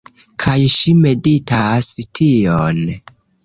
Kaj ŝi meditas tion